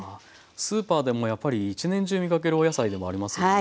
スーパーでもやっぱり一年中見かけるお野菜でもありますよね。